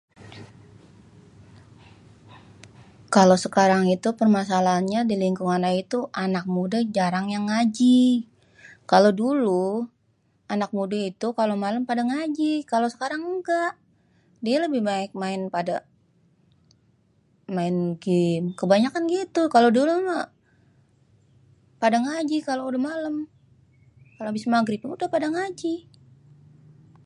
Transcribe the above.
Kalo sekarang itu permasalahannya di lingkungan ayé tuh anak mude jarang yang ngaji kalo duluh anak mudé itu kalo malem pada ngaji. Kalo sekarang engga dié lebih baik maén padé maén gem kebanayakan padé gitu kalo dulu meh padé ngaji kalo udeh malem kalo abis magrib udéh padé ngaji